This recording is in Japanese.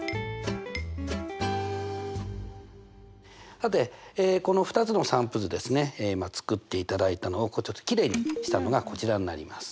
さてこの２つの散布図ですね作っていただいたのをきれいにしたのがこちらになります。